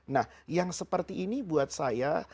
nah yang seperti ini buat saya